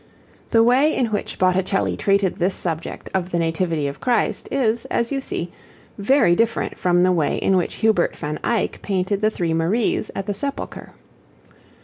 The way in which Botticelli treated this subject of the Nativity of Christ, is, as you see, very different from the way in which Hubert van Eyck painted the Three Maries at the Sepulchre.